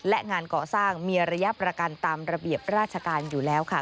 และงานก่อสร้างมีระยะประกันตามระเบียบราชการอยู่แล้วค่ะ